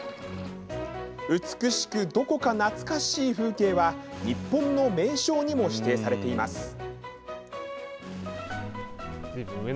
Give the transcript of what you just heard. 美しく、どこか懐かしい風景は、日本の名勝にも指定されています。